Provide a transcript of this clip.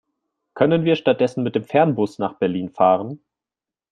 Können wir stattdessen mit dem Fernbus nach Berlin fahren?